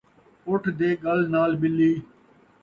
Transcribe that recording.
اٹھ دے ڳل نال ٻلی